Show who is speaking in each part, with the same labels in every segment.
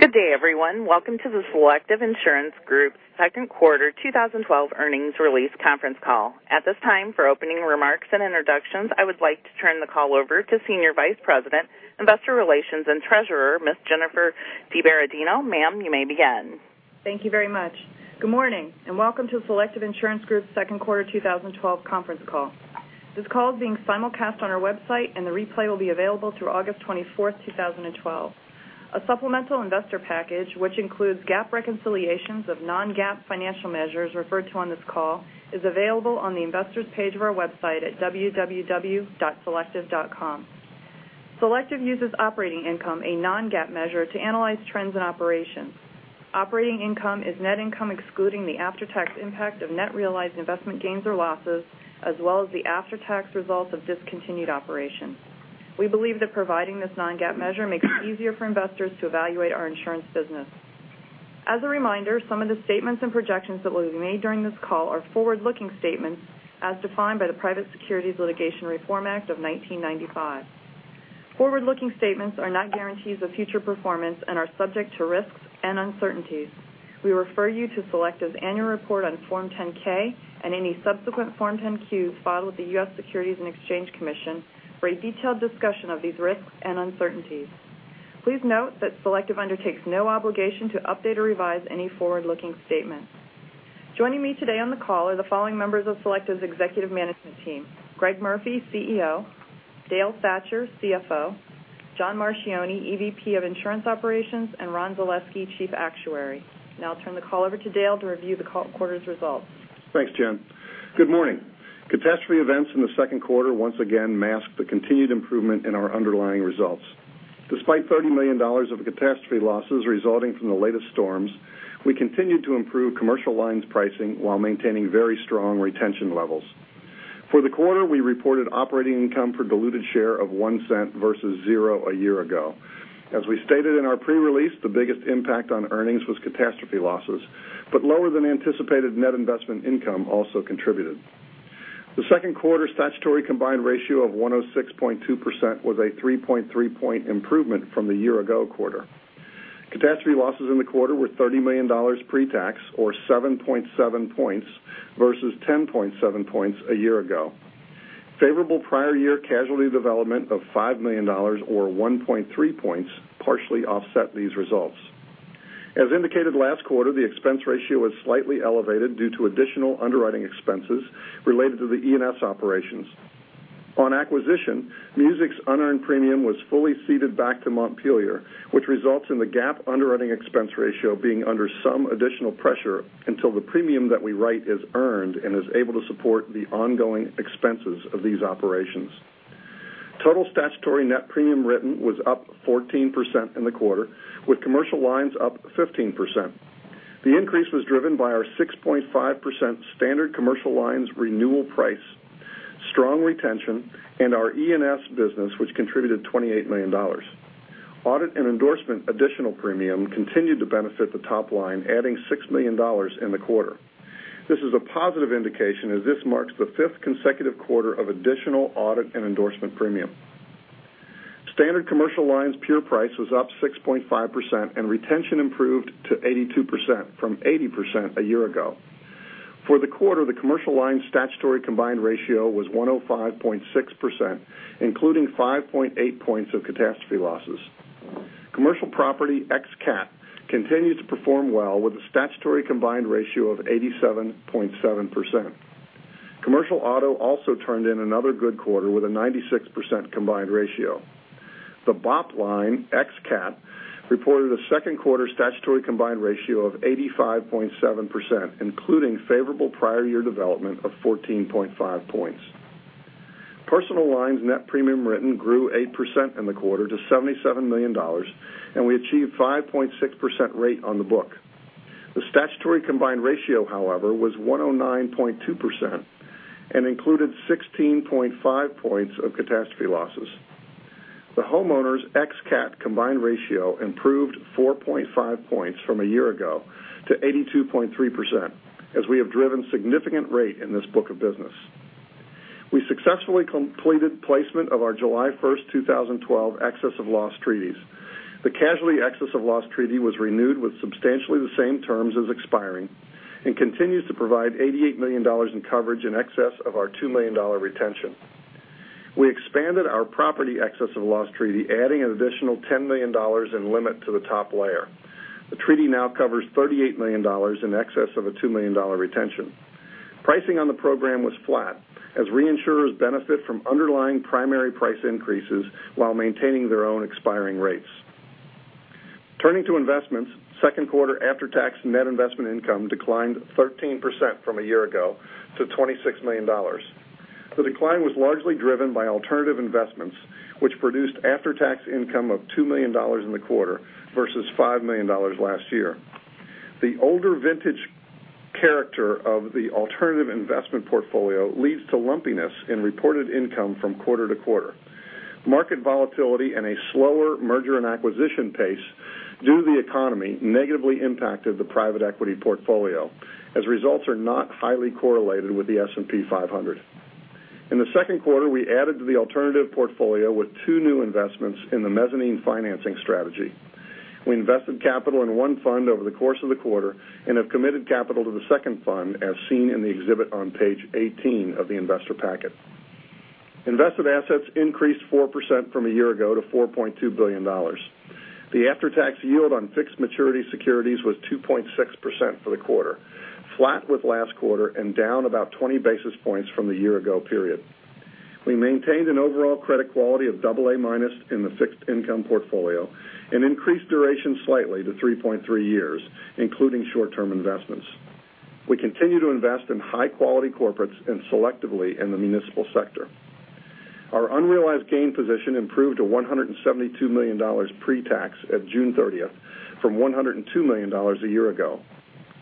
Speaker 1: Good day, everyone. Welcome to the Selective Insurance Group second quarter 2012 earnings release conference call. At this time, for opening remarks and introductions, I would like to turn the call over to Senior Vice President, Investor Relations and Treasurer, Ms. Jennifer DiBerardino. Ma'am, you may begin.
Speaker 2: Thank you very much. Good morning. Welcome to Selective Insurance Group's second quarter 2012 conference call. This call is being simulcast on our website. The replay will be available through August 24th, 2012. A supplemental investor package, which includes GAAP reconciliations of non-GAAP financial measures referred to on this call, is available on the investor's page of our website at www.selective.com. Selective uses operating income, a non-GAAP measure, to analyze trends and operations. Operating income is net income excluding the after-tax impact of net realized investment gains or losses, as well as the after-tax results of discontinued operations. We believe that providing this non-GAAP measure makes it easier for investors to evaluate our insurance business. As a reminder, some of the statements and projections that will be made during this call are forward-looking statements as defined by the Private Securities Litigation Reform Act of 1995. Forward-looking statements are not guarantees of future performance. Are subject to risks and uncertainties. We refer you to Selective's annual report on Form 10-K and any subsequent Form 10-Q filed with the U.S. Securities and Exchange Commission for a detailed discussion of these risks and uncertainties. Please note that Selective undertakes no obligation to update or revise any forward-looking statements. Joining me today on the call are the following members of Selective's executive management team: Greg Murphy, CEO; Dale Thatcher, CFO; John Marchioni, EVP of Insurance Operations; Ron Zaleski, Chief Actuary. I'll turn the call over to Dale to review the quarter's results.
Speaker 3: Thanks, Jen. Good morning. Catastrophe events in the second quarter once again masked the continued improvement in our underlying results. Despite $30 million of catastrophe losses resulting from the latest storms, we continued to improve Commercial Lines pricing while maintaining very strong retention levels. For the quarter, we reported operating income per diluted share of $0.01 versus 0 a year ago. As we stated in our pre-release, the biggest impact on earnings was catastrophe losses. Lower than anticipated net investment income also contributed. The second quarter statutory combined ratio of 106.2% was a 3.3-point improvement from the year-ago quarter. Catastrophe losses in the quarter were $30 million pre-tax, or 7.7 points versus 10.7 points a year ago. Favorable prior year casualty development of $5 million or 1.3 points partially offset these results. As indicated last quarter, the expense ratio was slightly elevated due to additional underwriting expenses related to the E&S operations. On acquisition, MUSIC's unearned premium was fully ceded back to Montpelier, which results in the GAAP underwriting expense ratio being under some additional pressure until the premium that we write is earned and is able to support the ongoing expenses of these operations. Total statutory net premium written was up 14% in the quarter, with Commercial Lines up 15%. The increase was driven by our 6.5% Standard Commercial Lines renewal price, strong retention, and our E&S business, which contributed $28 million. Audit and endorsement additional premium continued to benefit the top line, adding $6 million in the quarter. This is a positive indication as this marks the fifth consecutive quarter of additional audit and endorsement premium. Standard Commercial Lines pure price was up 6.5% and retention improved to 82% from 80% a year ago. For the quarter, the Commercial Lines statutory combined ratio was 105.6%, including 5.8 points of catastrophe losses. Commercial Property ex-cat continued to perform well with a statutory combined ratio of 87.7%. Commercial Auto also turned in another good quarter with a 96% combined ratio. The BOP line ex-cat reported a second quarter statutory combined ratio of 85.7%, including favorable prior year development of 14.5 points. Personal Lines net premium written grew 8% in the quarter to $77 million, and we achieved 5.6% rate on the book. The statutory combined ratio, however, was 109.2% and included 16.5 points of catastrophe losses. The homeowners ex-cat combined ratio improved 4.5 points from a year ago to 82.3% as we have driven significant rate in this book of business. We successfully completed placement of our July 1st, 2012 excess of loss treaties. The casualty excess of loss treaty was renewed with substantially the same terms as expiring and continues to provide $88 million in coverage in excess of our $2 million retention. We expanded our property excess of loss treaty, adding an additional $10 million in limit to the top layer. The treaty now covers $38 million in excess of a $2 million retention. Pricing on the program was flat as reinsurers benefit from underlying primary price increases while maintaining their own expiring rates. Turning to investments, second quarter after-tax net investment income declined 13% from a year ago to $26 million. The decline was largely driven by alternative investments, which produced after-tax income of $2 million in the quarter versus $5 million last year. The older vintage character of the alternative investment portfolio leads to lumpiness in reported income from quarter to quarter. Market volatility and a slower merger and acquisition pace due to the economy negatively impacted the private equity portfolio, as results are not highly correlated with the S&P 500. In the second quarter, we added to the alternative portfolio with two new investments in the mezzanine financing strategy. We invested capital in one fund over the course of the quarter and have committed capital to the second fund as seen in the exhibit on page 18 of the investor packet. Invested assets increased 4% from a year ago to $4.2 billion. The after-tax yield on fixed maturity securities was 2.6% for the quarter, flat with last quarter and down about 20 basis points from the year ago period. We maintained an overall credit quality of AA- in the fixed income portfolio and increased duration slightly to 3.3 years, including short-term investments. We continue to invest in high-quality corporates and selectively in the municipal sector. Our unrealized gain position improved to $172 million pre-tax at June 30th, from $102 million a year ago.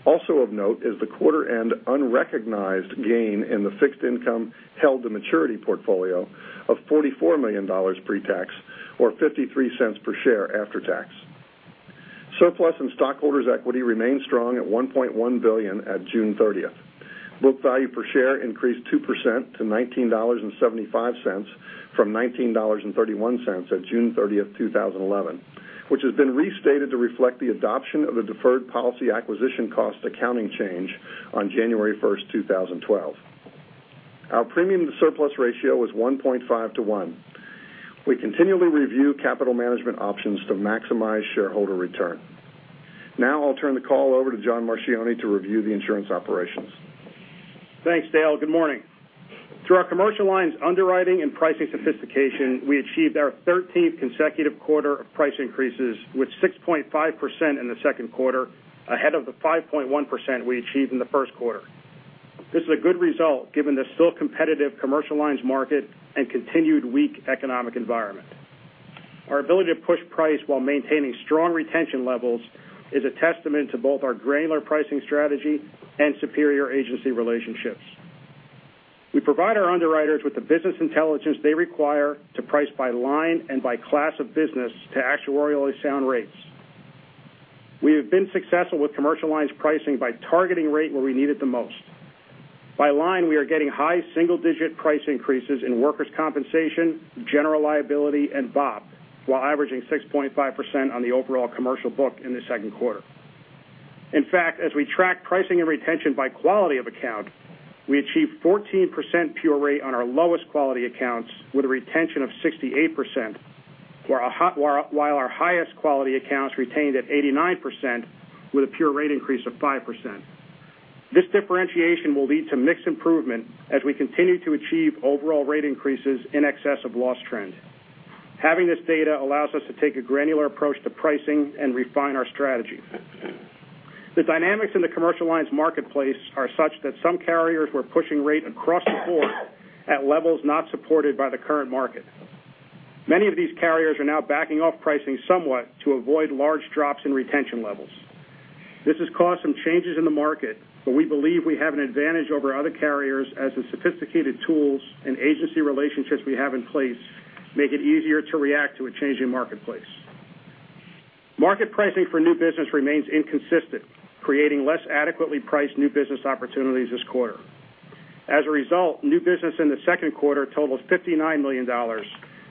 Speaker 3: Also of note is the quarter-end unrecognized gain in the fixed income held the maturity portfolio of $44 million pre-tax, or $0.53 per share after tax. Surplus and stockholders' equity remained strong at $1.1 billion at June 30th. Book value per share increased 2% to $19.75 from $19.31 at June 30th, 2011, which has been restated to reflect the adoption of the deferred policy acquisition cost accounting change on January 1st, 2012. Our premium to surplus ratio was 1.5 to 1. We continually review capital management options to maximize shareholder return. Now I'll turn the call over to John Marchioni to review the insurance operations.
Speaker 4: Thanks, Dale. Good morning. Through our Commercial Lines underwriting and pricing sophistication, we achieved our 13th consecutive quarter of price increases, with 6.5% in the second quarter ahead of the 5.1% we achieved in the first quarter. This is a good result given the still competitive Commercial Lines market and continued weak economic environment. Our ability to push price while maintaining strong retention levels is a testament to both our granular pricing strategy and superior agency relationships. We provide our underwriters with the business intelligence they require to price by line and by class of business to actuarially sound rates. We have been successful with Commercial Lines pricing by targeting rate where we need it the most. By line, we are getting high single-digit price increases in Workers' Compensation, General Liability, and BOP, while averaging 6.5% on the overall commercial book in the second quarter. In fact, as we track pricing and retention by quality of account, we achieved 14% pure rate on our lowest quality accounts with a retention of 68%, while our highest quality accounts retained at 89% with a pure rate increase of 5%. This differentiation will lead to mixed improvement as we continue to achieve overall rate increases in excess of loss trend. Having this data allows us to take a granular approach to pricing and refine our strategy. The dynamics in the Commercial Lines marketplace are such that some carriers were pushing rate across the board at levels not supported by the current market. Many of these carriers are now backing off pricing somewhat to avoid large drops in retention levels. This has caused some changes in the market, but we believe we have an advantage over other carriers as the sophisticated tools and agency relationships we have in place make it easier to react to a changing marketplace. Market pricing for new business remains inconsistent, creating less adequately priced new business opportunities this quarter. As a result, new business in the second quarter totals $59 million,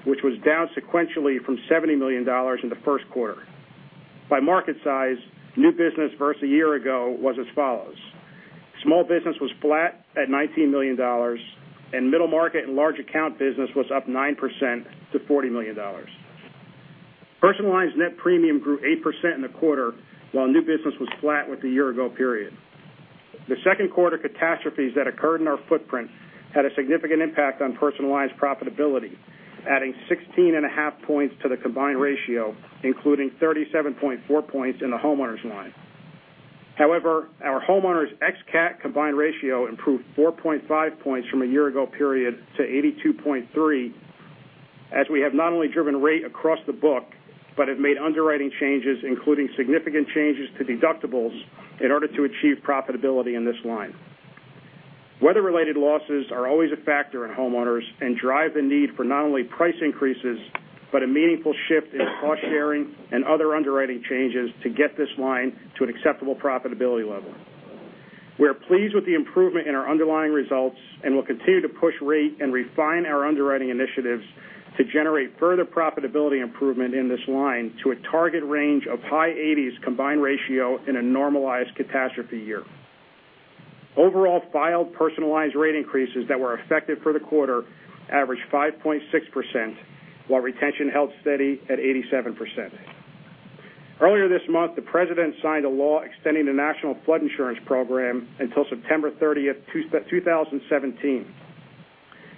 Speaker 4: which was down sequentially from $70 million in the first quarter. By market size, new business versus a year ago was as follows: small business was flat at $19 million, and middle market and large account business was up 9% to $40 million. Personal Lines net premium grew 8% in the quarter while new business was flat with the year-ago period. The second quarter catastrophes that occurred in our footprint had a significant impact on Personal Lines profitability, adding 16.5 points to the combined ratio, including 37.4 points in the homeowners line. Our homeowners ex-CAT combined ratio improved 4.5 points from a year-ago period to 82.3 as we have not only driven rate across the book, but have made underwriting changes, including significant changes to deductibles in order to achieve profitability in this line. Weather related losses are always a factor in homeowners and drive the need for not only price increases, but a meaningful shift in cost sharing and other underwriting changes to get this line to an acceptable profitability level. We're pleased with the improvement in our underlying results and will continue to push rate and refine our underwriting initiatives to generate further profitability improvement in this line to a target range of high 80s combined ratio in a normalized catastrophe year. Overall filed Personal Lines rate increases that were effective for the quarter averaged 5.6%, while retention held steady at 87%. Earlier this month, the President signed a law extending the National Flood Insurance Program until September 30, 2017.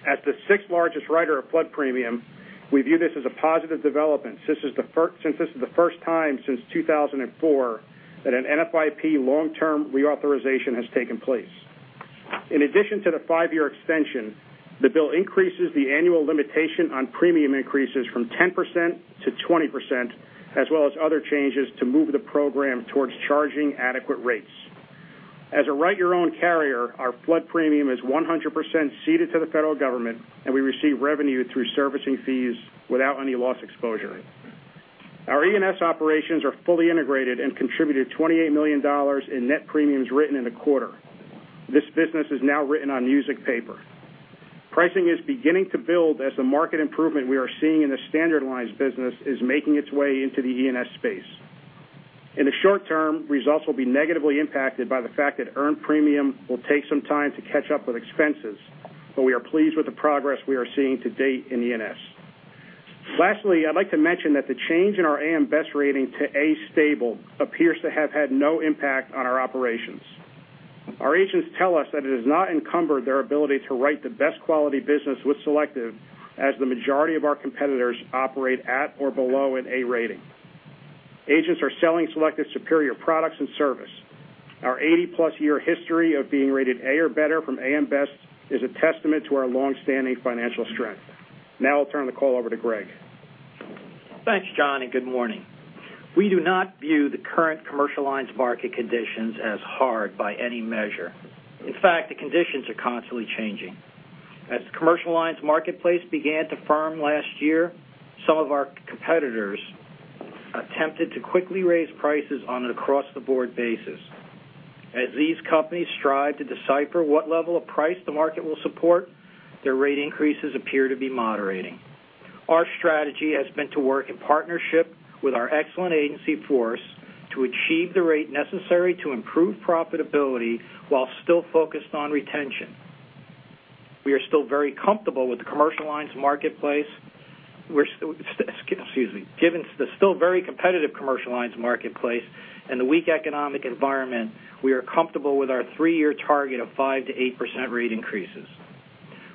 Speaker 4: As the sixth largest writer of flood premium, we view this as a positive development since this is the first time since 2004 that an NFIP long-term reauthorization has taken place. In addition to the five-year extension, the bill increases the annual limitation on premium increases from 10%-20%, as well as other changes to move the program towards charging adequate rates. As a write your own carrier, our flood premium is 100% ceded to the federal government, and we receive revenue through servicing fees without any loss exposure. Our E&S operations are fully integrated and contributed $28 million in net premiums written in the quarter. This business is now written on MUSIC paper. Pricing is beginning to build as the market improvement we are seeing in the Standard Lines business is making its way into the E&S space. In the short term, results will be negatively impacted by the fact that earned premium will take some time to catch up with expenses, but we are pleased with the progress we are seeing to date in E&S. Lastly, I'd like to mention that the change in our AM Best rating to A stable appears to have had no impact on our operations. Our agents tell us that it has not encumbered their ability to write the best quality business with Selective as the majority of our competitors operate at or below an A rating. Agents are selling Selective's superior products and service. Our 80-plus-year history of being rated A or better from AM Best is a testament to our long-standing financial strength. Now I'll turn the call over to Greg.
Speaker 5: Thanks, John. Good morning. We do not view the current Commercial Lines market conditions as hard by any measure. In fact, the conditions are constantly changing. As the Commercial Lines marketplace began to firm last year, some of our competitors attempted to quickly raise prices on an across-the-board basis. As these companies strive to decipher what level of price the market will support, their rate increases appear to be moderating. Our strategy has been to work in partnership with our excellent agency force to achieve the rate necessary to improve profitability while still focused on retention. Given the still very competitive Commercial Lines marketplace and the weak economic environment, we are comfortable with our three-year target of 5%-8% rate increases.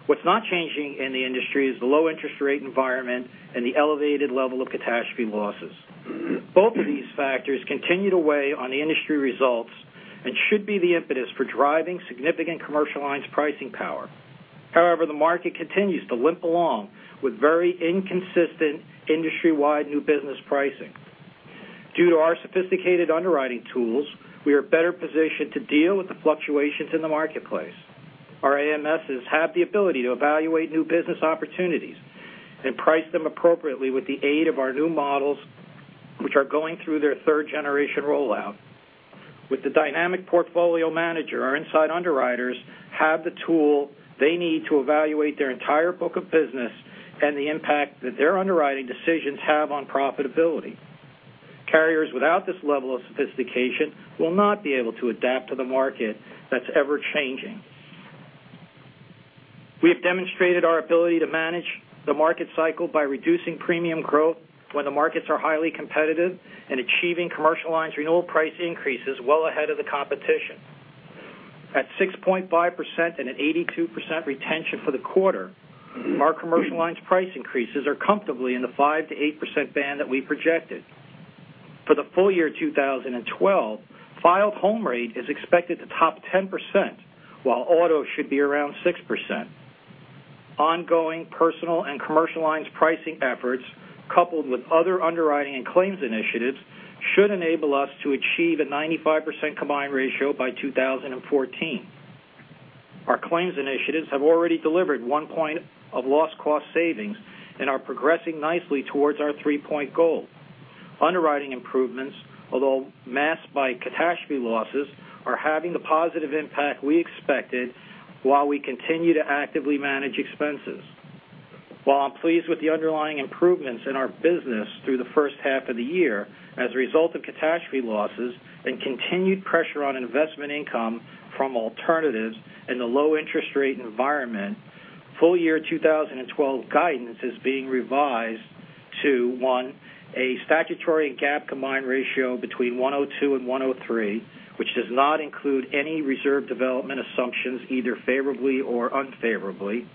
Speaker 5: What's not changing in the industry is the low interest rate environment and the elevated level of catastrophe losses. Both of these factors continue to weigh on the industry results and should be the impetus for driving significant Commercial Lines pricing power. The market continues to limp along with very inconsistent industry-wide new business pricing. Due to our sophisticated underwriting tools, we are better positioned to deal with the fluctuations in the marketplace. Our AMSs have the ability to evaluate new business opportunities and price them appropriately with the aid of our new models, which are going through their third generation rollout. With the Dynamic Portfolio Manager, our inside underwriters have the tool they need to evaluate their entire book of business and the impact that their underwriting decisions have on profitability. Carriers without this level of sophistication will not be able to adapt to the market that's ever-changing. We have demonstrated our ability to manage the market cycle by reducing premium growth when the markets are highly competitive and achieving Commercial Lines renewal price increases well ahead of the competition. At 6.5% and at 82% retention for the quarter, our Commercial Lines price increases are comfortably in the 5%-8% band that we projected. For the full year 2012, filed home rate is expected to top 10%, while auto should be around 6%. Ongoing Personal and Commercial Lines pricing efforts, coupled with other underwriting and claims initiatives, should enable us to achieve a 95% combined ratio by 2014. Our claims initiatives have already delivered one point of loss cost savings and are progressing nicely towards our three-point goal. Underwriting improvements, although masked by catastrophe losses, are having the positive impact we expected while we continue to actively manage expenses. While I'm pleased with the underlying improvements in our business through the first half of the year as a result of catastrophe losses and continued pressure on investment income from alternatives in the low interest rate environment, full year 2012 guidance is being revised to, one, a statutory and GAAP combined ratio between 102 and 103, which does not include any reserve development assumptions, either favorably or unfavorably.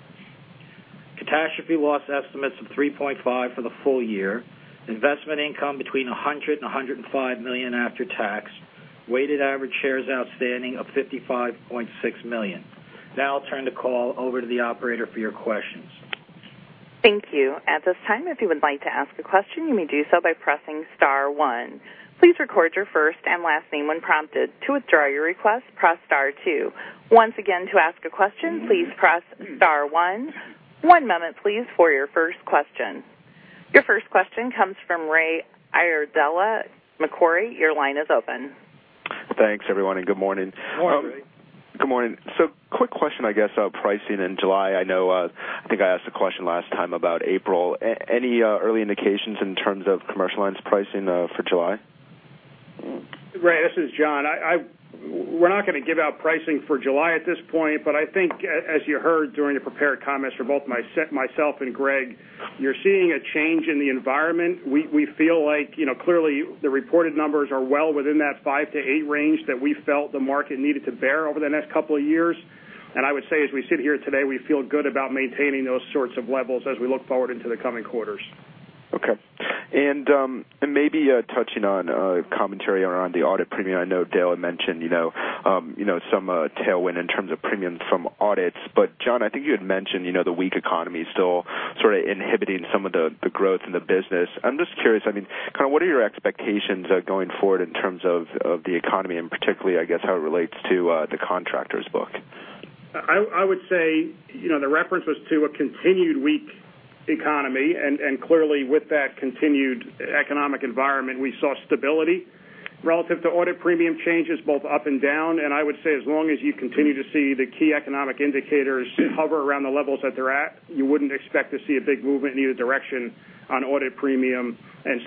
Speaker 5: Catastrophe loss estimates of 3.5 for the full year. Investment income between $100 million-$105 million after tax. Weighted average shares outstanding of 55.6 million. I'll turn the call over to the operator for your questions.
Speaker 1: Thank you. At this time, if you would like to ask a question, you may do so by pressing star one. Please record your first and last name when prompted. To withdraw your request, press star two. Once again, to ask a question, please press star one. One moment, please, for your first question. Your first question comes from Raymond Iardella, Macquarie. Your line is open.
Speaker 6: Thanks, everyone, and good morning.
Speaker 5: Good morning, Ray.
Speaker 6: Good morning. Quick question, I guess, on pricing in July. I think I asked a question last time about April. Any early indications in terms of Commercial Lines pricing for July?
Speaker 4: Ray, this is John. We're not going to give out pricing for July at this point. I think as you heard during the prepared comments from both myself and Greg, you're seeing a change in the environment. We feel like clearly the reported numbers are well within that 5-8 range that we felt the market needed to bear over the next couple of years. I would say as we sit here today, we feel good about maintaining those sorts of levels as we look forward into the coming quarters.
Speaker 6: Okay. Maybe touching on commentary around the audit premium. I know Dale had mentioned some tailwind in terms of premium from audits. John, I think you had mentioned the weak economy is still sort of inhibiting some of the growth in the business. I'm just curious, what are your expectations going forward in terms of the economy, and particularly, I guess, how it relates to the contractors book?
Speaker 4: I would say, the reference was to a continued weak economy. Clearly with that continued economic environment, we saw stability relative to audit premium changes both up and down. I would say as long as you continue to see the key economic indicators hover around the levels that they're at, you wouldn't expect to see a big movement in either direction on audit premium.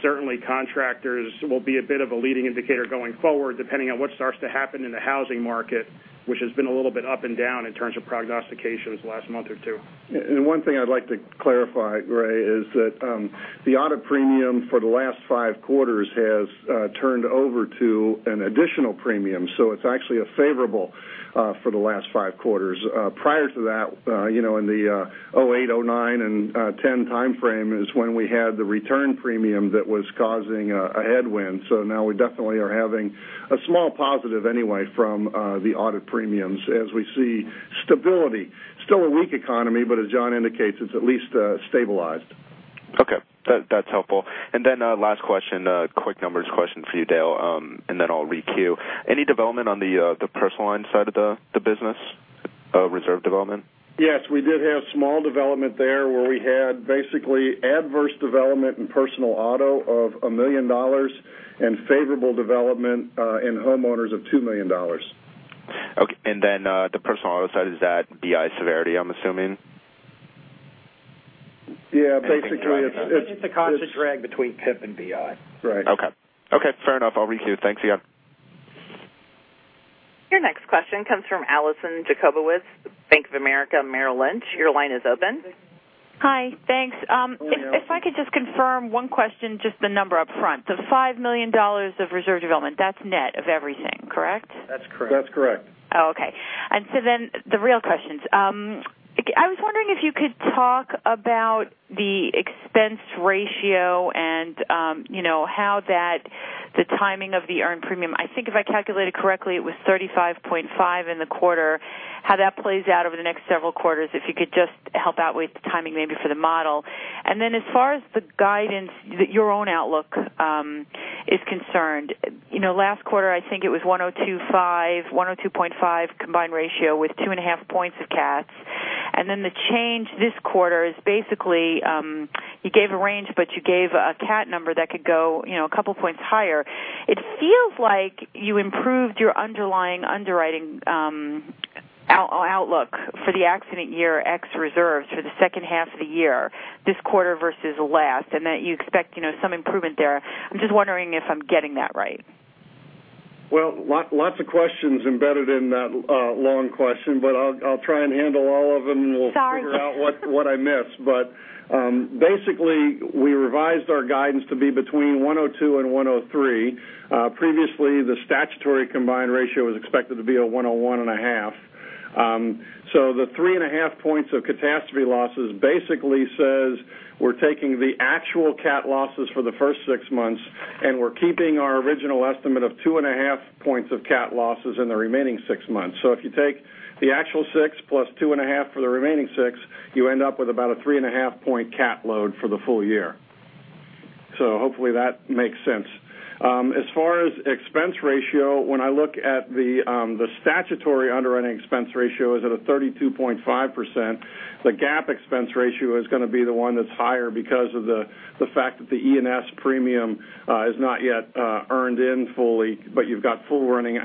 Speaker 4: Certainly contractors will be a bit of a leading indicator going forward, depending on what starts to happen in the housing market, which has been a little bit up and down in terms of prognostications the last month or two.
Speaker 3: One thing I'd like to clarify, Greg, is that the audit premium for the last five quarters has turned over to an additional premium. It's actually a favorable for the last five quarters. Prior to that, in the 2008, 2009, and 2010 timeframe is when we had the return premium that was causing a headwind. Now we definitely are having a small positive anyway from the audit premiums as we see stability. Still a weak economy, but as John indicates, it's at least stabilized.
Speaker 6: Okay. That's helpful. Last question, quick numbers question for you, Dale, then I'll re-queue. Any development on the Personal Lines side of the business reserve development?
Speaker 3: Yes, we did have small development there where we had basically adverse development in Personal Auto of $1 million and favorable development in Homeowners of $2 million.
Speaker 6: Okay, the Personal Auto side, is that BI severity, I'm assuming?
Speaker 3: Yeah.
Speaker 4: I think it's a constant drag between PIP and BI.
Speaker 3: Right.
Speaker 6: Okay. Fair enough. I'll re-queue. Thanks again.
Speaker 1: Your next question comes from Allison Jakubowicz, Bank of America Merrill Lynch. Your line is open.
Speaker 7: Hi. Thanks. If I could just confirm one question, just the number up front, the $5 million of reserve development, that's net of everything, correct?
Speaker 4: That's correct.
Speaker 3: That's correct.
Speaker 7: Oh, okay. The real questions. I was wondering if you could talk about the expense ratio and how the timing of the earned premium, I think if I calculated correctly, it was 35.5% in the quarter, how that plays out over the next several quarters, if you could just help out with the timing maybe for the model. As far as the guidance that your own outlook is concerned. Last quarter, I think it was 102.5% combined ratio with two and a half points of cats. The change this quarter is basically, you gave a range, but you gave a cat number that could go a couple of points higher. It feels like you improved your underlying underwriting outlook for the accident year x reserves for the second half of the year, this quarter versus last, and that you expect some improvement there. I'm just wondering if I'm getting that right.
Speaker 3: Lots of questions embedded in that long question, but I'll try and handle all of them, and we'll
Speaker 7: Sorry
Speaker 3: figure out what I missed. Basically, we revised our guidance to be between 102 and 103. Previously, the statutory combined ratio was expected to be 101.5%. The 3.5 points of catastrophe losses basically says we're taking the actual cat losses for the first six months, and we're keeping our original estimate of 2.5 points of cat losses in the remaining six months. If you take the actual six plus 2.5 for the remaining six, you end up with about a 3.5-point cat load for the full year. Hopefully that makes sense. As far as expense ratio, when I look at the statutory underwriting expense ratio is at a 32.5%. The GAAP expense ratio is going to be the one that's higher because of the fact that the E&S premium is not yet earned in fully, but you've got full running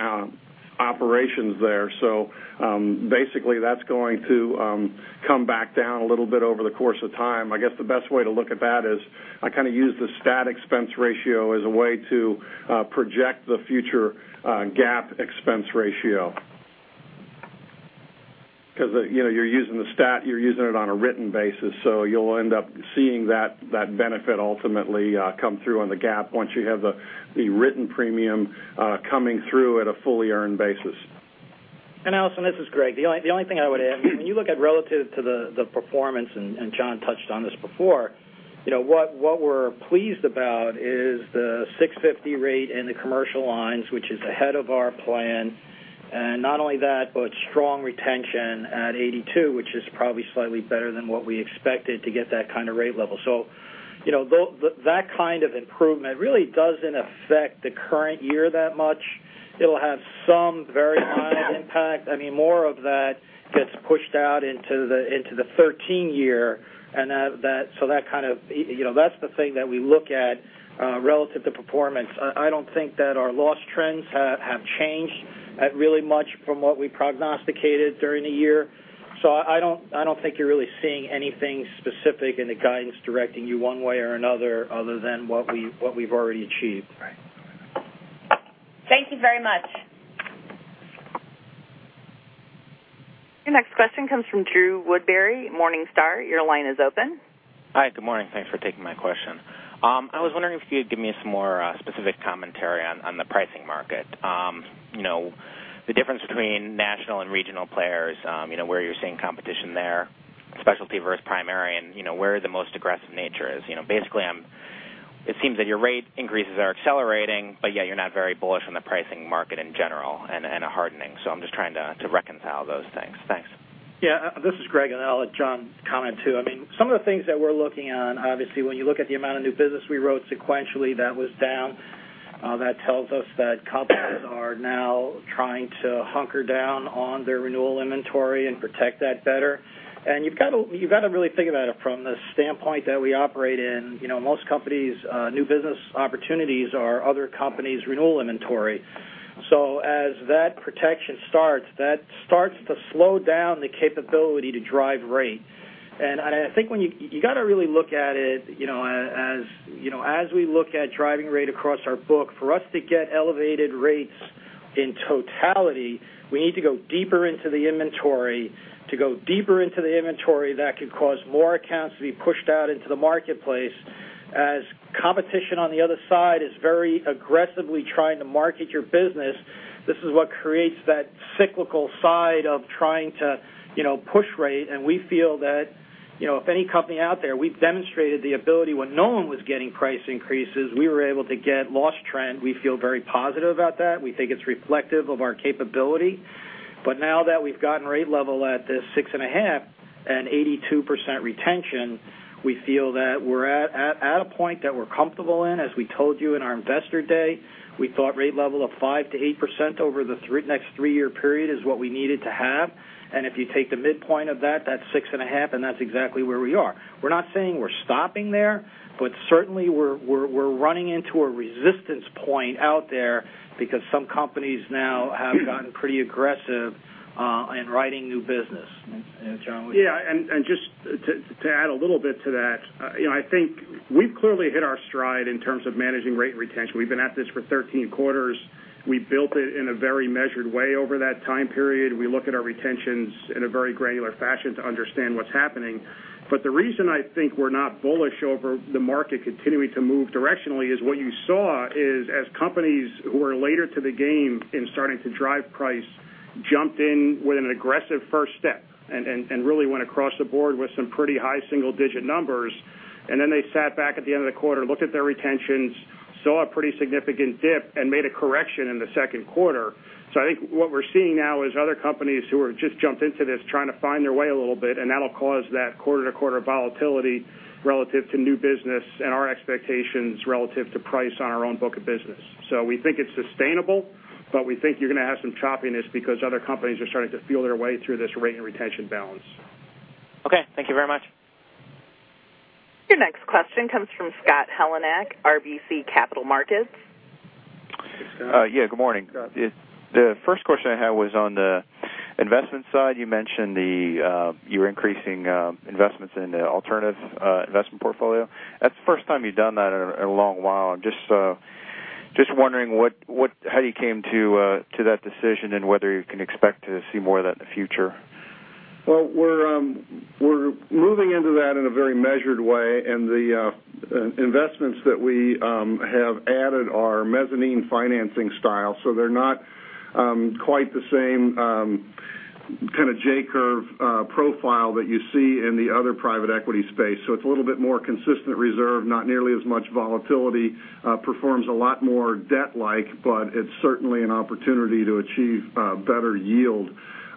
Speaker 3: operations there. Basically, that's going to come back down a little bit over the course of time. I guess the best way to look at that is I kind of use the stat expense ratio as a way to project the future GAAP expense ratio. You're using the stat, you're using it on a written basis, you'll end up seeing that benefit ultimately come through on the GAAP once you have the written premium coming through at a fully earned basis.
Speaker 5: Allison, this is Greg. The only thing I would add, when you look at relative to the performance, John touched on this before, what we're pleased about is the 650 rate in the Commercial Lines, which is ahead of our plan. Not only that, strong retention at 82, which is probably slightly better than what we expected to get that kind of rate level. That kind of improvement really doesn't affect the current year that much. It'll have some very high impact. More of that gets pushed out into the 2013 year. That's the thing that we look at relative to performance. I don't think that our loss trends have changed really much from what we prognosticated during the year. I don't think you're really seeing anything specific in the guidance directing you one way or another, other than what we've already achieved.
Speaker 7: Right. Thank you very much.
Speaker 1: Your next question comes from Drew Woodbury, Morningstar. Your line is open.
Speaker 8: Hi, good morning. Thanks for taking my question. I was wondering if you could give me some more specific commentary on the pricing market. The difference between national and regional players, where you're seeing competition there, specialty versus primary, and where the most aggressive nature is. It seems that your rate increases are accelerating, yet you're not very bullish on the pricing market in general and a hardening. I'm just trying to reconcile those things. Thanks.
Speaker 5: Yeah. This is Greg, and I'll let John comment, too. Some of the things that we're looking on, obviously, when you look at the amount of new business we wrote sequentially, that was down That tells us that companies are now trying to hunker down on their renewal inventory and protect that better. You've got to really think about it from the standpoint that we operate in. Most companies' new business opportunities are other companies' renewal inventory. As that protection starts, that starts to slow down the capability to drive rate. I think you got to really look at it, as we look at driving rate across our book, for us to get elevated rates in totality, we need to go deeper into the inventory. To go deeper into the inventory, that could cause more accounts to be pushed out into the marketplace. As competition on the other side is very aggressively trying to market your business, this is what creates that cyclical side of trying to push rate. We feel that, of any company out there, we've demonstrated the ability. When no one was getting price increases, we were able to get loss trend. We feel very positive about that. We think it's reflective of our capability. Now that we've gotten rate level at this 6.5% and 82% retention, we feel that we're at a point that we're comfortable in. As we told you in our investor day, we thought rate level of 5%-8% over the next three-year period is what we needed to have. If you take the midpoint of that's 6.5%, and that's exactly where we are. We're not saying we're stopping there, but certainly we're running into a resistance point out there because some companies now have gotten pretty aggressive in writing new business. John, would you-
Speaker 4: Just to add a little bit to that, I think we've clearly hit our stride in terms of managing rate and retention. We've been at this for 13 quarters. We've built it in a very measured way over that time period. We look at our retentions in a very granular fashion to understand what's happening. The reason I think we're not bullish over the market continuing to move directionally is what you saw is as companies who are later to the game in starting to drive price jumped in with an aggressive first step and really went across the board with some pretty high single-digit numbers. They sat back at the end of the quarter, looked at their retentions, saw a pretty significant dip, and made a correction in the second quarter. I think what we're seeing now is other companies who have just jumped into this trying to find their way a little bit, and that'll cause that quarter-to-quarter volatility relative to new business and our expectations relative to price on our own book of business. We think it's sustainable, but we think you're going to have some choppiness because other companies are starting to feel their way through this rate and retention balance.
Speaker 8: Thank you very much.
Speaker 1: Your next question comes from Scott Heleniak, RBC Capital Markets.
Speaker 4: Hey, Scott.
Speaker 9: Yeah, good morning.
Speaker 4: Scott.
Speaker 9: The first question I had was on the investment side. You mentioned that you were increasing investments in the alternative investment portfolio. That's the first time you've done that in a long while. I'm just wondering how you came to that decision, and whether you can expect to see more of that in the future.
Speaker 3: Well, we're moving into that in a very measured way. The investments that we have added are mezzanine financing style, so they're not quite the same kind of J-curve profile that you see in the other private equity space. It's a little bit more consistent reserve, not nearly as much volatility. Performs a lot more debt-like, it's certainly an opportunity to achieve better yield.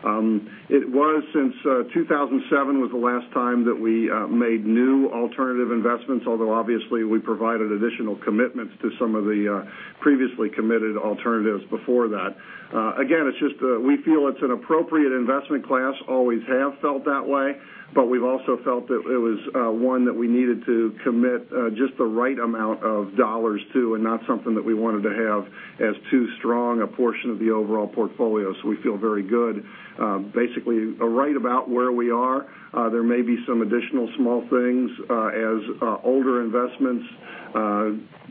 Speaker 3: Since 2007 was the last time that we made new alternative investments, although obviously we provided additional commitments to some of the previously committed alternatives before that. Again, we feel it's an appropriate investment class, always have felt that way. We've also felt that it was one that we needed to commit just the right amount of dollars to and not something that we wanted to have as too strong a portion of the overall portfolio. We feel very good, basically, right about where we are. There may be some additional small things as older investments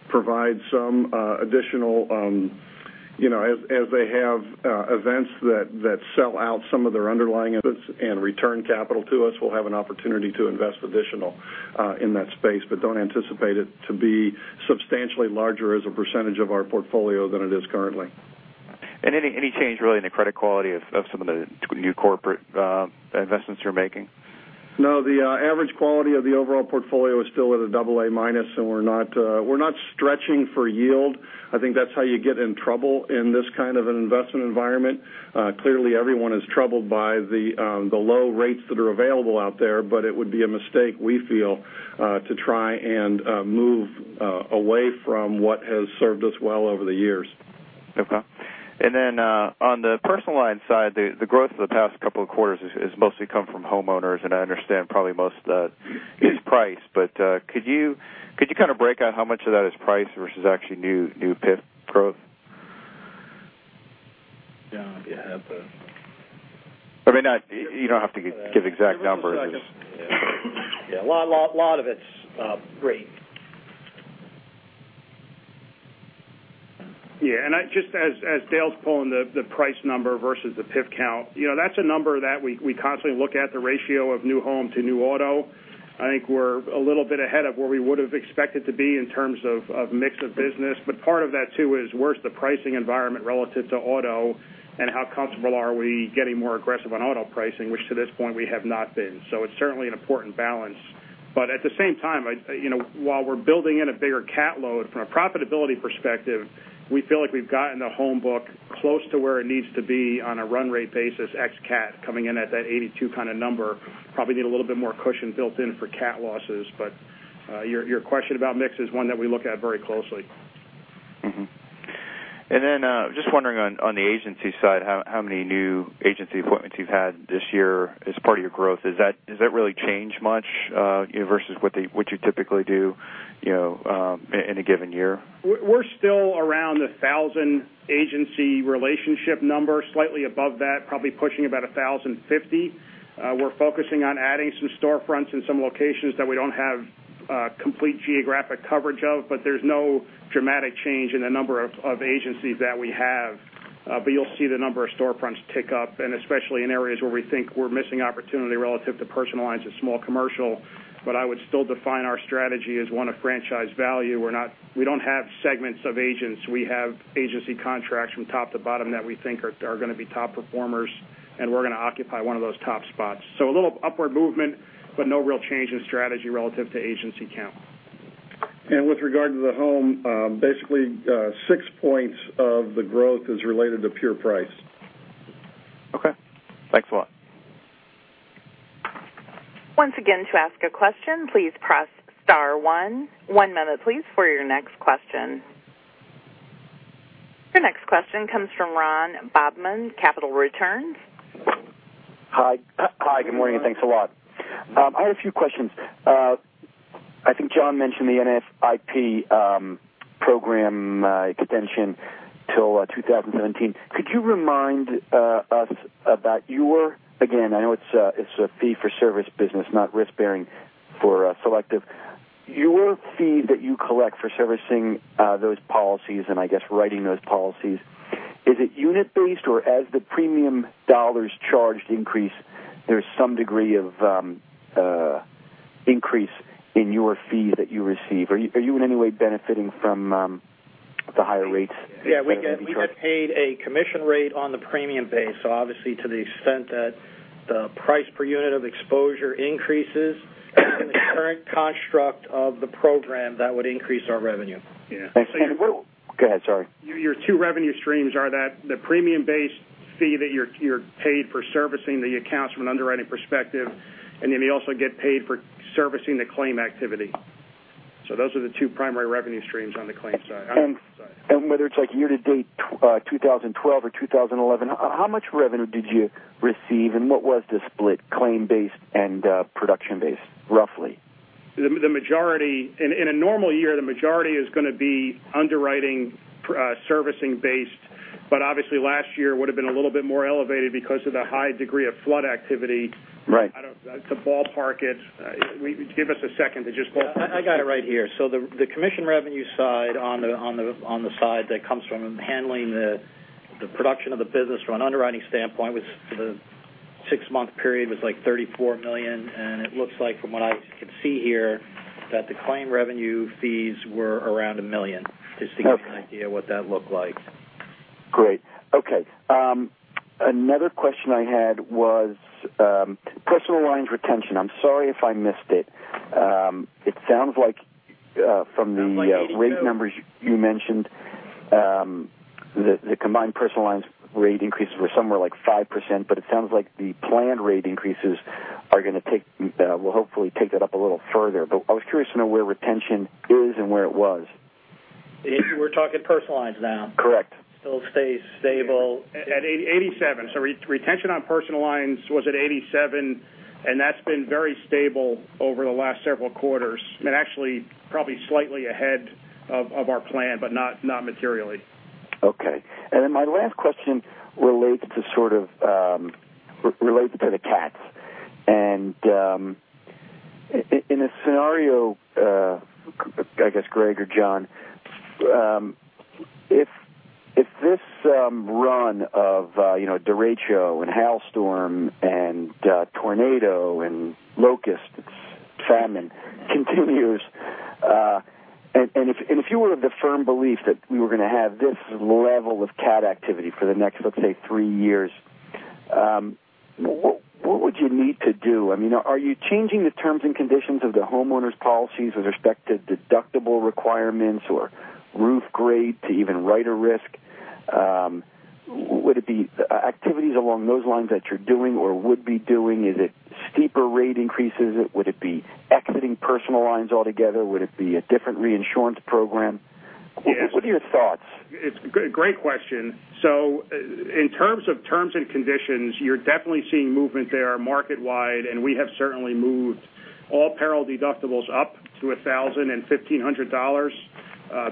Speaker 3: provide some additional. As they have events that sell out some of their underlying assets and return capital to us, we'll have an opportunity to invest additional in that space, but don't anticipate it to be substantially larger as a percentage of our portfolio than it is currently.
Speaker 9: Any change, really, in the credit quality of some of the new corporate investments you're making?
Speaker 3: No, the average quality of the overall portfolio is still at a double A minus, and we're not stretching for yield. I think that's how you get in trouble in this kind of an investment environment. Clearly everyone is troubled by the low rates that are available out there, but it would be a mistake, we feel, to try and move away from what has served us well over the years.
Speaker 9: Okay. On the Personal Lines side, the growth of the past couple of quarters has mostly come from homeowners, and I understand probably most is price. But could you kind of break out how much of that is price versus actually new PIF growth?
Speaker 5: John, do you have?
Speaker 9: You don't have to give exact numbers.
Speaker 4: Give us a second. Yeah. A lot of it's rate. Just as Dale's pulling the price number versus the PIF count, that's a number that we constantly look at, the ratio of new home to new auto. I think we're a little bit ahead of where we would've expected to be in terms of mix of business. Part of that too is where's the pricing environment relative to auto, and how comfortable are we getting more aggressive on auto pricing, which to this point we have not been. It's certainly an important balance. At the same time, while we're building in a bigger cat load from a profitability perspective, we feel like we've gotten the home book close to where it needs to be on a run rate basis ex cat coming in at that 82 kind of number. We probably need a little bit more cushion built in for cat losses. Your question about mix is one that we look at very closely.
Speaker 9: Mm-hmm. Just wondering on the agency side, how many new agency appointments you've had this year as part of your growth? Does that really change much versus what you typically do in a given year?
Speaker 4: We're still around the 1,000 agency relationship number, slightly above that, probably pushing about 1,050. We're focusing on adding some storefronts in some locations that we don't have complete geographic coverage of, but there's no dramatic change in the number of agencies that we have. You'll see the number of storefronts tick up, especially in areas where we think we're missing opportunity relative to Personal Lines of small commercial. I would still define our strategy as one of franchise value. We don't have segments of agents. We have agency contracts from top to bottom that we think are going to be top performers, and we're going to occupy one of those top spots. A little upward movement, but no real change in strategy relative to agency count. With regard to the home, basically, six points of the growth is related to pure price.
Speaker 9: Okay. Thanks a lot.
Speaker 1: Once again, to ask a question, please press star one. One moment, please, for your next question. Your next question comes from Ron Bobman, Capital Returns.
Speaker 10: Hi, good morning. Thanks a lot. I had a few questions. I think John mentioned the NFIP program extension till 2019. Could you remind us about your, again, I know it's a fee-for-service business, not risk-bearing for Selective. Your fee that you collect for servicing those policies and I guess writing those policies, is it unit based or as the premium dollars charged increase, there's some degree of increase in your fees that you receive? Are you in any way benefiting from the higher rates?
Speaker 4: Yeah, we get paid a commission rate on the premium base. Obviously to the extent that the price per unit of exposure increases in the current construct of the program, that would increase our revenue.
Speaker 10: Yeah. Go ahead, sorry.
Speaker 4: Your two revenue streams are the premium base fee that you're paid for servicing the accounts from an underwriting perspective, and then you also get paid for servicing the claim activity. Those are the two primary revenue streams on the claims side.
Speaker 10: Whether it's like year to date 2012 or 2011, how much revenue did you receive, and what was the split, claim based and production based, roughly?
Speaker 4: In a normal year, the majority is going to be underwriting servicing based, but obviously last year would've been a little bit more elevated because of the high degree of flood activity.
Speaker 10: Right.
Speaker 4: To ballpark it, give us a second to just ballpark it. I got it right here. The commission revenue side on the side that comes from handling the production of the business from an underwriting standpoint for the 6-month period was like $34 million, and it looks like from what I can see here that the claim revenue fees were around $1 million.
Speaker 10: Okay.
Speaker 4: Just to give you an idea what that looked like.
Speaker 10: Great. Okay. Another question I had was Personal Lines retention. I'm sorry if I missed it. It sounds like from the rate numbers you mentioned, the combined Personal Lines rate increases were somewhere like 5%, but it sounds like the planned rate increases will hopefully take that up a little further. I was curious to know where retention is and where it was.
Speaker 4: If we're talking Personal Lines now?
Speaker 10: Correct.
Speaker 4: Still stays stable at 87. Retention on Personal Lines was at 87, and that's been very stable over the last several quarters. I mean, actually probably slightly ahead of our plan, but not materially.
Speaker 10: Okay. Then my last question relates to the cats. In a scenario, I guess Greg or John, if this run of derecho and hailstorm and tornado and locusts, famine continues, if you were of the firm belief that we were going to have this level of cat activity for the next, let's say, three years, what would you need to do? I mean, are you changing the terms and conditions of the homeowners policies with respect to deductible requirements or roof grade to even write a risk? Would it be activities along those lines that you're doing or would be doing? Is it steeper rate increases? Would it be exiting Personal Lines altogether? Would it be a different reinsurance program? What are your thoughts?
Speaker 4: It's a great question. In terms of terms and conditions, you're definitely seeing movement there market wide, we have certainly moved all peril deductibles up to $1,000 and $1,500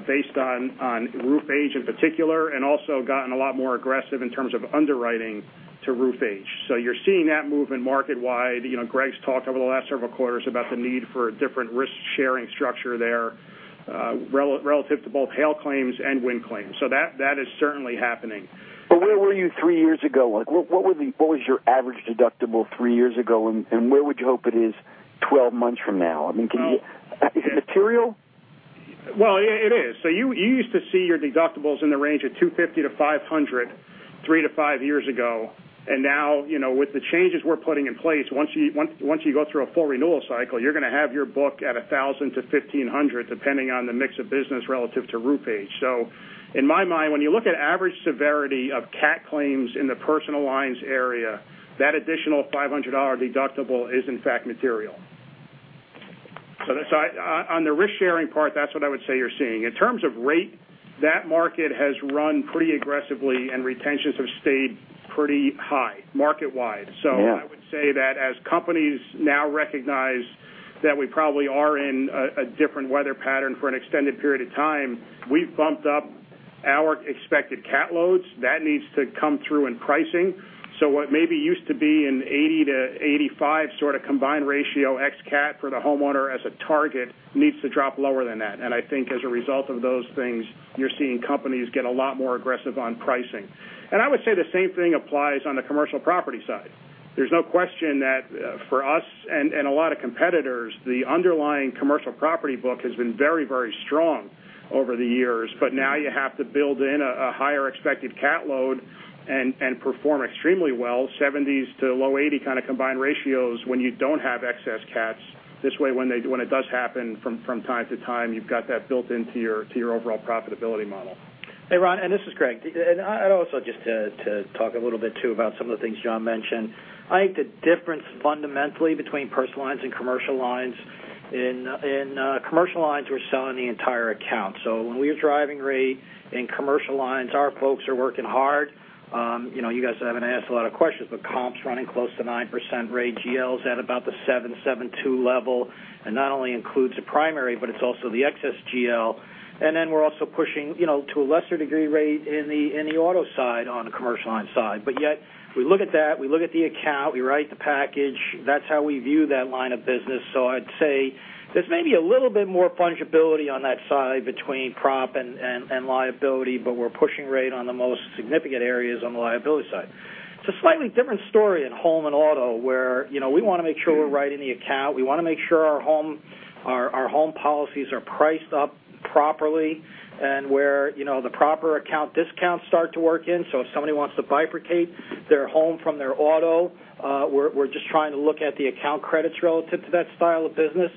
Speaker 4: based on roof age in particular, and also gotten a lot more aggressive in terms of underwriting to roof age. You're seeing that move in market wide. Greg's talked over the last several quarters about the need for a different risk-sharing structure there relative to both hail claims and wind claims. That is certainly happening.
Speaker 10: Where were you three years ago? What was your average deductible three years ago, where would you hope it is 12 months from now? I mean, is it material?
Speaker 4: Well, it is. You used to see your deductibles in the range of $250-$500, 3-5 years ago. Now, with the changes we're putting in place, once you go through a full renewal cycle, you're going to have your book at $1,000-$1,500, depending on the mix of business relative to roof age. In my mind, when you look at average severity of cat claims in the Personal Lines area, that additional $500 deductible is in fact material. On the risk-sharing part, that's what I would say you're seeing. In terms of rate, that market has run pretty aggressively, and retentions have stayed pretty high market-wide.
Speaker 5: Yeah. I would say that as companies now recognize that we probably are in a different weather pattern for an extended period of time, we've bumped up our expected cat loads. That needs to come through in pricing. What maybe used to be an 80 to 85 sort of combined ratio ex-cat for the homeowner as a target needs to drop lower than that. I think as a result of those things, you're seeing companies get a lot more aggressive on pricing. I would say the same thing applies on the Commercial Property side. There's no question that for us and a lot of competitors, the underlying Commercial Property book has been very strong over the years. Now you have to build in a higher expected cat load and perform extremely well, 70s to low 80 kind of combined ratios when you don't have excess cats.
Speaker 4: This way, when it does happen from time to time, you've got that built into your overall profitability model.
Speaker 5: Hey, Ron, this is Greg. Also just to talk a little bit too about some of the things John mentioned. I think the difference fundamentally between Personal Lines and Commercial Lines, in Commercial Lines, we're selling the entire account. When we are driving rate in Commercial Lines, our folks are working hard. You guys haven't asked a lot of questions, comps running close to 9% rate. GL's at about the 7.0, 7.2 level, not only includes the primary, but it's also the Excess GL. Then we're also pushing to a lesser degree rate in the Commercial Auto side on the Commercial Lines side. Yet, we look at that, we look at the account, we write the package. That's how we view that line of business. I'd say there's maybe a little bit more fungibility on that side between prop and liability, we're pushing rate on the most significant areas on the liability side. It's a slightly different story in home and auto, where we want to make sure we're writing the account. We want to make sure our home policies are priced up properly and where the proper account discounts start to work in. If somebody wants to bifurcate their home from their auto, we're just trying to look at the account credits relative to that style of business.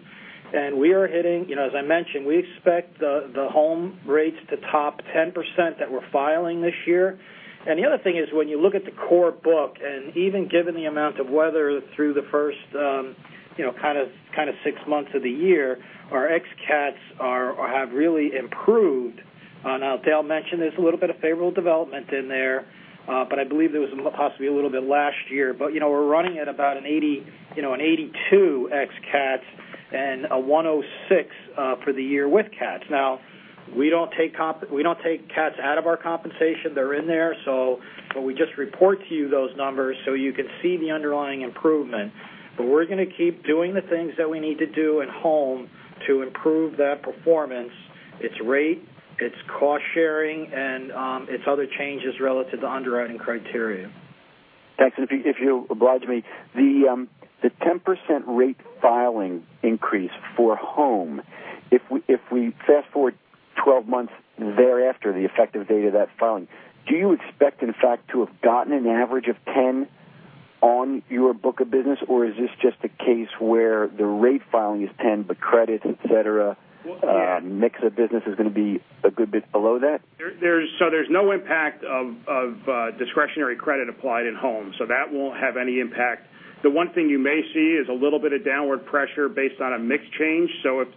Speaker 5: As I mentioned, we expect the home rates to top 10% that we're filing this year. The other thing is when you look at the core book, even given the amount of weather through the first kind of six months of the year, our ex-cats have really improved. Dale mentioned there's a little bit of favorable development in there, I believe there was possibly a little bit last year. We're running at about an 82 ex cats and a 106 for the year with cats. We don't take cats out of our compensation. They're in there. We just report to you those numbers so you can see the underlying improvement. We're going to keep doing the things that we need to do in home to improve that performance, its rate, its cost sharing, and its other changes relative to underwriting criteria.
Speaker 10: Thanks. If you'll oblige me, the 10% rate filing increase for home, if we fast-forward 12 months thereafter, the effective date of that filing, do you expect in fact to have gotten an average of 10 on your book of business? Is this just a case where the rate filing is 10, credit, et cetera, mix of business is going to be a good bit below that?
Speaker 4: There's no impact of discretionary credit applied in home. That won't have any impact. The one thing you may see is a little bit of downward pressure based on a mix change.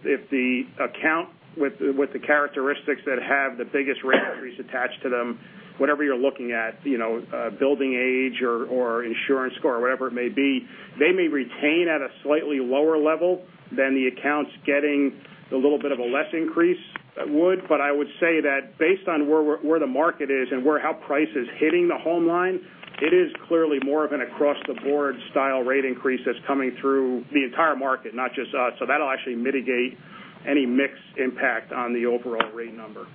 Speaker 4: If the account with the characteristics that have the biggest rate increases attached to them, whatever you're looking at, building age or insurance score, whatever it may be, they may retain at a slightly lower level than the accounts getting a little bit of a less increase would. I would say that based on where the market is and how price is hitting the home line, it is clearly more of an across-the-board style rate increase that's coming through the entire market, not just us. That'll actually mitigate any mix impact on the overall rate number.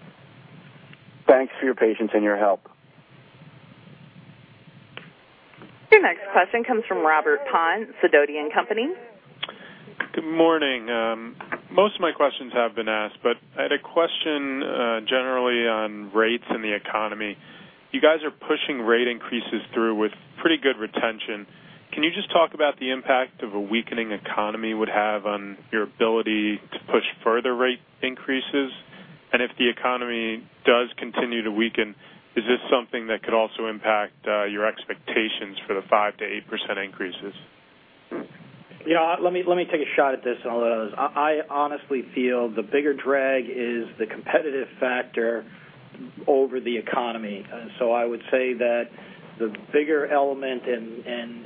Speaker 10: Thanks for your patience and your help.
Speaker 1: Your next question comes from Robert Pond, Sidoti & Company.
Speaker 11: Good morning. Most of my questions have been asked, I had a question generally on rates and the economy. You guys are pushing rate increases through with pretty good retention. Can you just talk about the impact of a weakening economy would have on your ability to push further rate increases? If the economy does continue to weaken, is this something that could also impact your expectations for the 5%-8% increases?
Speaker 5: Yeah, let me take a shot at this. I honestly feel the bigger drag is the competitive factor over the economy. I would say that the bigger element in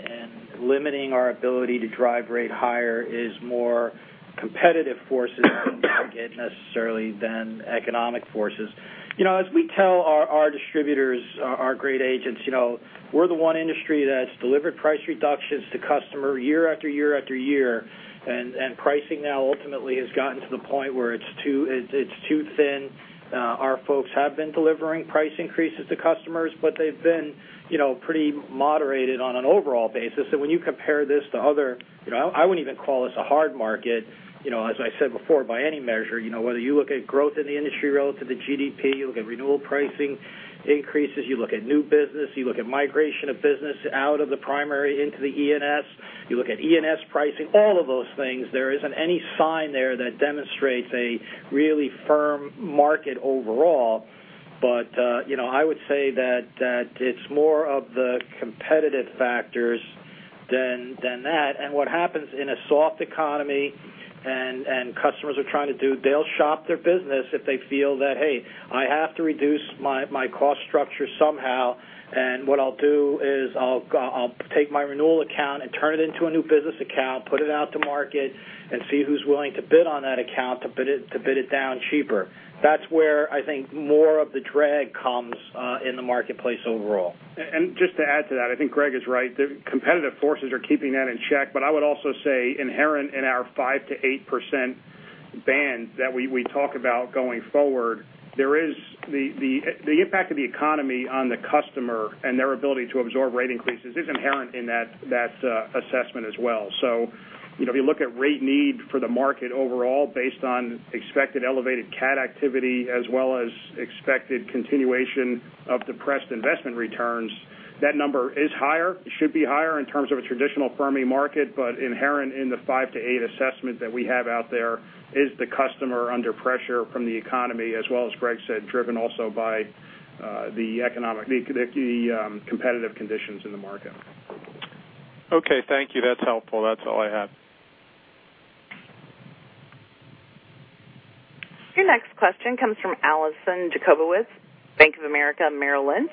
Speaker 5: limiting our ability to drive rate higher is more competitive forces than you get necessarily than economic forces. As we tell our distributors, our great agents, we're the one industry that's delivered price reductions to customer year after year. Pricing now ultimately has gotten to the point where it's too thin. Our folks have been delivering price increases to customers, but they've been pretty moderated on an overall basis. When you compare this to other, I wouldn't even call this a hard market, as I said before, by any measure. Whether you look at growth in the industry relative to GDP, you look at renewal pricing increases, you look at new business, you look at migration of business out of the primary into the E&S, you look at E&S pricing, all of those things, there isn't any sign there that demonstrates a really firm market overall. I would say that it's more of the competitive factors than that. What happens in a soft economy, and customers are trying to do, they'll shop their business if they feel that, hey, I have to reduce my cost structure somehow. What I'll do is I'll take my renewal account and turn it into a new business account, put it out to market and see who's willing to bid on that account to bid it down cheaper. That's where I think more of the drag comes in the marketplace overall.
Speaker 4: Just to add to that, I think Greg is right. The competitive forces are keeping that in check. I would also say inherent in our 5%-8% band that we talk about going forward, the impact of the economy on the customer and their ability to absorb rate increases is inherent in that assessment as well. If you look at rate need for the market overall based on expected elevated cat activity as well as expected continuation of depressed investment returns, that number is higher. It should be higher in terms of a traditional firming market, inherent in the 5%-8% assessment that we have out there is the customer under pressure from the economy, as well as Greg said, driven also by the competitive conditions in the market.
Speaker 11: Thank you. That's helpful. That's all I have.
Speaker 1: Your next question comes from Allison Jakubowicz, Bank of America Merrill Lynch.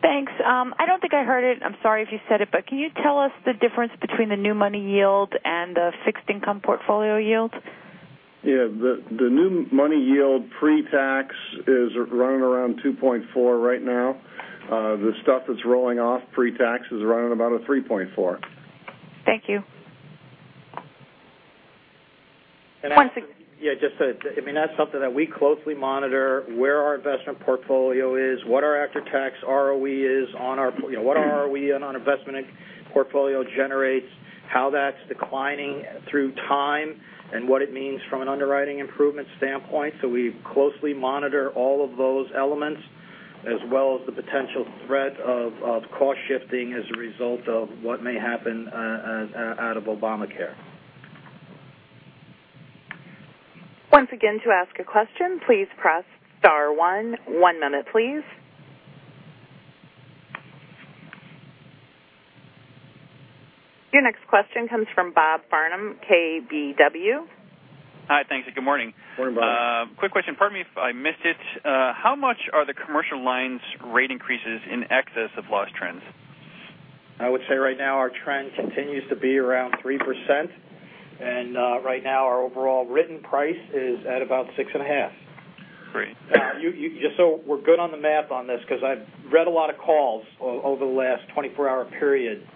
Speaker 7: Thanks. I don't think I heard it, I'm sorry if you said it, but can you tell us the difference between the new money yield and the fixed income portfolio yield?
Speaker 3: Yeah. The new money yield pre-tax is running around 2.4% right now. The stuff that's rolling off pre-tax is running about a 3.4%.
Speaker 7: Thank you.
Speaker 5: I mean, that's something that we closely monitor where our investment portfolio is, what our after-tax ROE is, what our ROE on our investment portfolio generates, how that's declining through time, and what it means from an underwriting improvement standpoint. We closely monitor all of those elements, as well as the potential threat of cost shifting as a result of what may happen out of Obamacare.
Speaker 1: Once again, to ask a question, please press star one. One moment, please. Your next question comes from Bob Barnum, KBW.
Speaker 12: Hi, thanks, good morning.
Speaker 5: Morning, Bob.
Speaker 12: Quick question. Pardon me if I missed it. How much are the Commercial Lines rate increases in excess of loss trends?
Speaker 5: I would say right now our trend continues to be around 3%. Right now our overall written price is at about 6.5%.
Speaker 12: Great.
Speaker 5: Just so we're good on the math on this, because I've read a lot of calls over the last 24-hour period.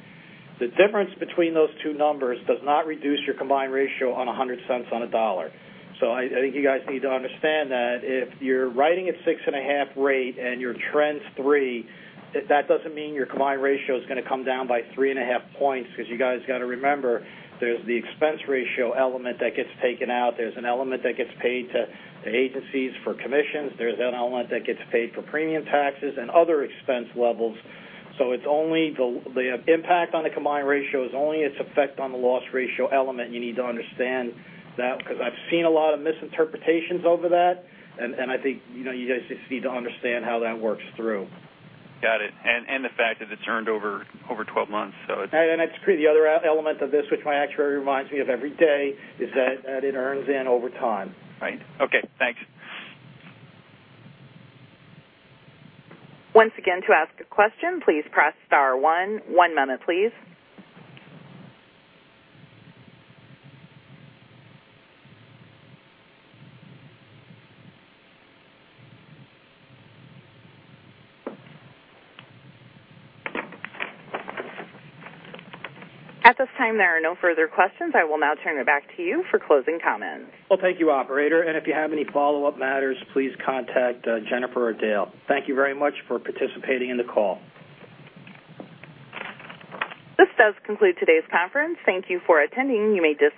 Speaker 5: The difference between those two numbers does not reduce your combined ratio on $1.00 on a dollar. I think you guys need to understand that if you're writing at 6.5 rate and your trend's three, that doesn't mean your combined ratio is going to come down by 3.5 points, because you guys got to remember, there's the expense ratio element that gets taken out. There's an element that gets paid to agencies for commissions. There's an element that gets paid for premium taxes and other expense levels. The impact on the combined ratio is only its effect on the loss ratio element. You need to understand that, because I've seen a lot of misinterpretations over that, I think you guys just need to understand how that works through.
Speaker 12: Got it. The fact that it's earned over 12 months.
Speaker 5: The other element of this, which my actuary reminds me of every day, is that it earns in over time.
Speaker 12: Right. Okay, thanks.
Speaker 1: Once again, to ask a question, please press star one. One moment, please. At this time, there are no further questions. I will now turn it back to you for closing comments.
Speaker 5: Well, thank you, operator. If you have any follow-up matters, please contact Jennifer or Dale. Thank you very much for participating in the call.
Speaker 1: This does conclude today's conference. Thank you for attending. You may disconnect.